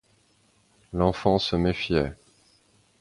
L’enfant se méfiait.